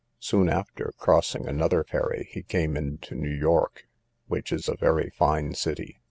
Soon after, crossing another ferry, he came into New York, which is a very fine city.